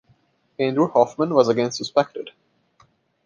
Andrew Hoffman was again suspected.